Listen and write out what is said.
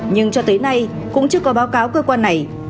nhưng cho tới nay cũng chưa có báo cáo cơ quan này